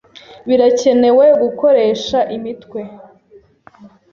Birakenewe gukoresha imitwe.